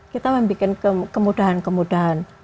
kita membuat kemudahan kemudahan